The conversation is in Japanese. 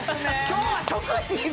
今日は特にいい！